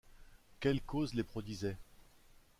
Quelle cause les produisait ?